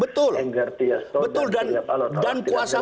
betul betul dan kuasa